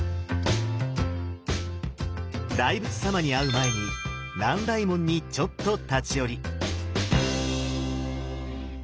大仏様に会う前に南大門にちょっと立ち寄り。